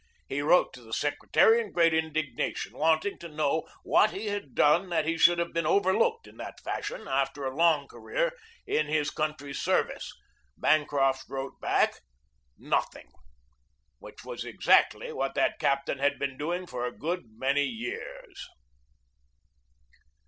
He wrote to the secretary in great indigna tion, wanting to know what he had done that he should have been overlooked in that fashion after a long career in his country's service. Bancroft wrote back, "Nothing!" which was exactly what that cap tain had been doing for a good many years.